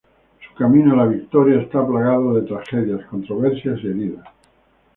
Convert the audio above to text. Su camino a la victoria está plagado de tragedias, controversias y heridas.